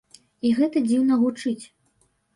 І гэта дзіўна гучыць.